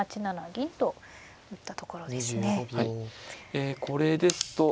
えこれですと。